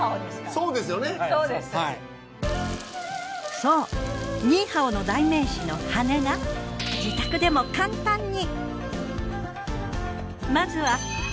そうニーハオの代名詞の羽根が自宅でも簡単に。